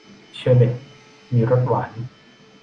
เชอร์เบทมีรสหวาน